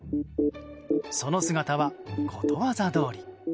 その姿は、ことわざどおり。